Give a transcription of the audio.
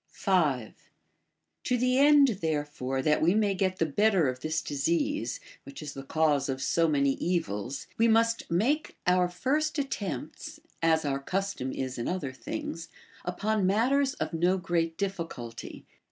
5. To the end therefore that we may get the better of this disease, which is the cause of so many evils, we must make our first attempts (as our custom is in other things) upon matters of no great difficulty.